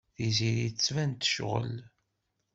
Tiziri tban-d tecɣel.